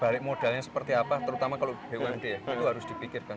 balik modalnya seperti apa terutama kalau bumd ya itu harus dipikirkan